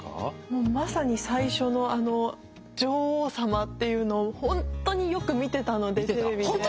もうまさに最初のあの女王様っていうのを本当によく見てたのでテレビで。